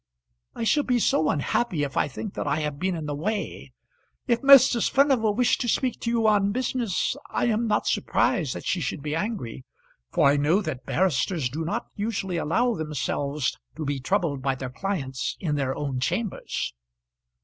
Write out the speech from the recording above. "I shall be so unhappy if I think that I have been in the way. If Mrs. Furnival wished to speak to you on business I am not surprised that she should be angry, for I know that barristers do not usually allow themselves to be troubled by their clients in their own chambers."